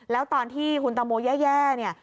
แล้วตอนที่คุณตังโมแย่เนี่ย